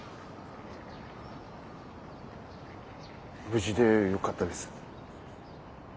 無事でよかったです。